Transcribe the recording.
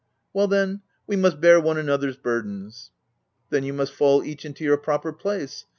" Well, then, we must bear one another's burdens." " Then, you must fall each into your proper place.